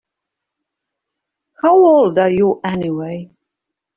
How old are you anyway?